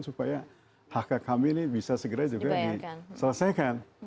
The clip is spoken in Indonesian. supaya hak hak kami ini bisa segera juga diselesaikan